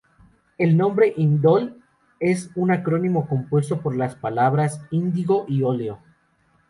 El nombre "indol" es un acrónimo compuesto por las palabras índigo y óleo.